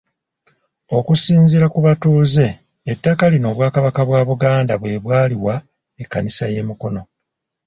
Okusinziira ku batuuze, ettaka lino Obwakabaka bwa Buganda bwe bwaliwa Ekkanisa y'e Mukono.